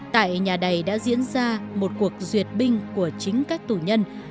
tại nhà đầy đã diễn ra một cuộc duyệt binh của chính các tù nhân